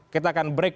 kita akan break